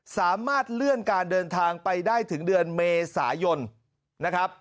สามารถเลื่อนการเดินทางไปได้ถึงเดือนเมษายนนะครับ